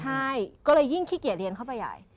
ใช่ก็เลยยิ่งขี้เกียจเรียนเข้าไปใหญ่